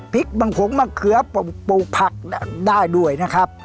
พริกมังโคนมะเขือปูปักได้ด้วยนะครับ